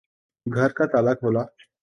گھر کا تالا کھولا